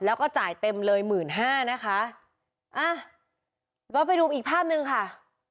แล้วก็จ่ายเต็มเลย๑๕๐๐๐บาทนะคะเอาไปดูอีกภาพนึงค่ะ